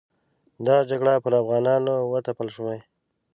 دغه جګړې پر افغانانو وتپل شوې.